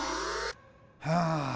はあ。